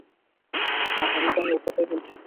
হ্যাঁ, হেমন্ত আমি ওর কথাই বলছি।